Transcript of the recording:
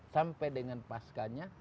sampai dengan pasca nya